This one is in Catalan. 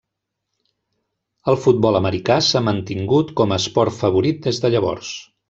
El futbol americà s'ha mantingut com a esport favorit des de llavors.